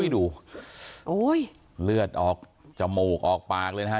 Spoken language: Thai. ดูโอ้ยเลือดออกจมูกออกปากเลยนะฮะ